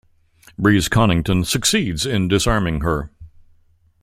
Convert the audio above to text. Breeze-Connington succeeds in disarming her.